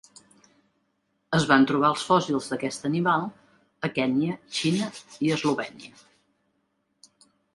Es van trobar els fòssils d'aquest animal a Kenya, Xina i Eslovènia.